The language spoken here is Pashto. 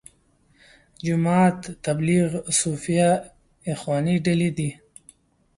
جماعت تبلیغ، صوفیه، اخواني ډلې دي.